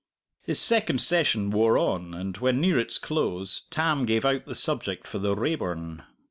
His second session wore on, and when near its close Tam gave out the subject for the Raeburn.